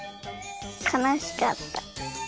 かなしかった。